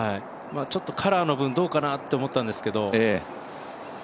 ちょっとカラーの分、どうかなと思ったんですけど。